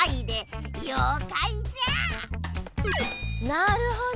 なるほど！